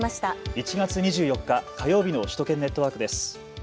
１月２４日、火曜日の首都圏ネットワークです。